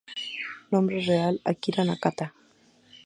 Nombre real "Akira Nakata.